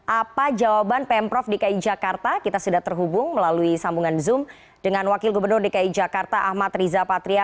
apa jawaban pemprov dki jakarta kita sudah terhubung melalui sambungan zoom dengan wakil gubernur dki jakarta ahmad riza patria